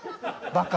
バカ。